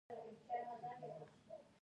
د افغانستان جغرافیه کې هوا ستر اهمیت لري.